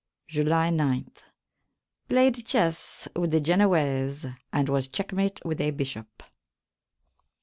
July 9. Played chesse with the Genowayse and was checkmate with a bishop.